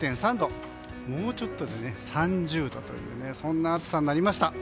もうちょっとで３０度というそんな暑さになりました。